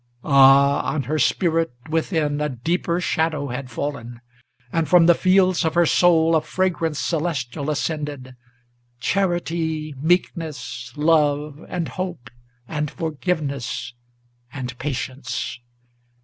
Ah! on her spirit within a deeper shadow had fallen, And from the fields of her soul a fragrance celestial ascended, Charity, meekness, love, and hope, and forgiveness, and patience!